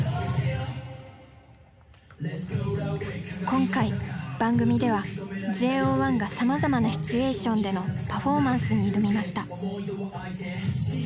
今回番組ではＪＯ１がさまざまなシチュエーションでのパフォーマンスに挑みました。